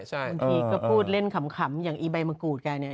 บางทีก็พูดเล่นขำอย่างอีใบมะกรูดแกเนี่ย